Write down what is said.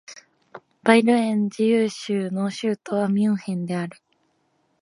バイエルン自由州の州都はミュンヘンである